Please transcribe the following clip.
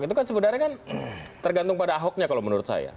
itu kan sebenarnya kan tergantung pada ahoknya kalau menurut saya